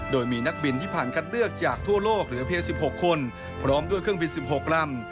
โดยมีนักบินที่ผ่านคัดเลือกจากทั่วโลกเหลือเพียง๑๖คนพร้อมด้วยเครื่องบิน๑๖ลำ